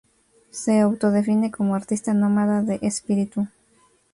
Se autodefine como "artista nómada de espíritu.